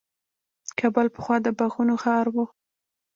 کابل پخوا د باغونو ښار و.